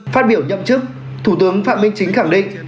phát biểu nhậm chức thủ tướng phạm minh chính khẳng định